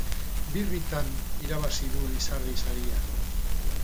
Birritan irabazi du Lizardi saria.